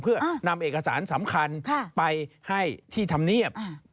เพื่อนำเอกสารสำคัญไปให้ที่ธรรมเนียบ